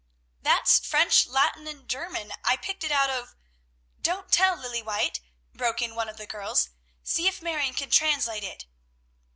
"That's French, Latin, and German. I picked it out of" "Don't tell, Lilly White," broke in one of the girls. "See if Marion can translate it."